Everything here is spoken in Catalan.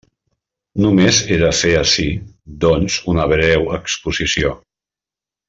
Només he de fer ací, doncs, una breu exposició.